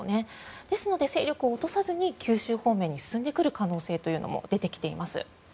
ですので、勢力を落とさずに九州方面に進んでくる可能性も出てきています。